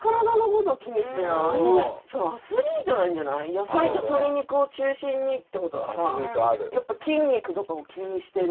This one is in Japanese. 野菜と鶏肉を中心にってことはさやっぱ筋肉とかを気にしてる？